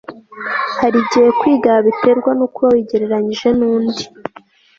hari igihe kwigaya biterwa n uko uba wigereranyije n undi